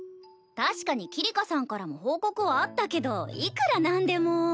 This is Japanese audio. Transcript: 確かに桐香さんからも報告はあったけどいくらなんでも。